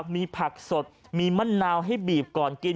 มีผักสดมีมะนาวให้บีบก่อนกิน